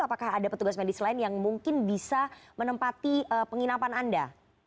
apakah ada petugas medis lain yang mungkin bisa menempati penginapan anda